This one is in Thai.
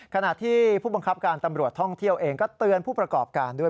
ขณะที่ผู้บังคับการตำรวจท่องเที่ยวเองก็เตือนผู้ประกอบการด้วย